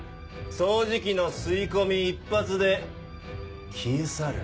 掃除機の吸い込み一発で消え去る。